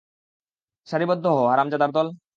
সারিবদ্ধ হ, হারামজাদার দল!